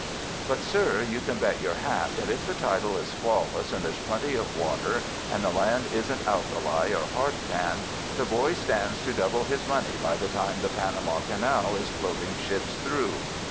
But, sir, you can bet your bat that if the title is flawless and there's plenty of water, and the land isn't alkali or hardpan, the boy stands to double his money by the time the Panama Canal is floating ships through."